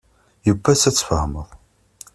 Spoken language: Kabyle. Yiwwas ad tfehmeḍ.